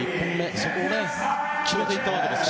そこを決めていったわけですから。